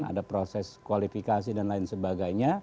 ada proses kualifikasi dan lain sebagainya